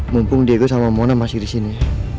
mumpung diego sama mona masih disini